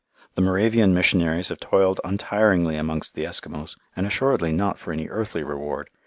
The Moravian missionaries have toiled untiringly amongst the Eskimos, and assuredly not for any earthly reward.